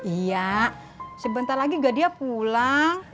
iya sebentar lagi gak dia pulang